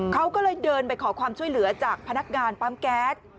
เขาก็เลยเดินไปขอความช่วยเหลือจากพนักงานปั๊มแก๊ส